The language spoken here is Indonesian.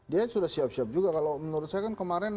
dia sudah siap siap juga kalau menurut saya kan kemarin